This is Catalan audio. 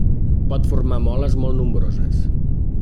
Pot formar moles molt nombroses.